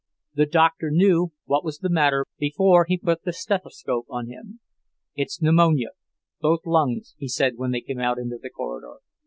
The Doctor knew what was the matter before he put the stethoscope on him. "It's pneumonia, both lungs," he said when they came out into the corridor.